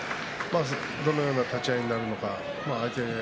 どのような立ち合いになるのか。